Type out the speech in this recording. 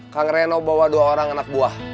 kang reno bawa dua orang anak buah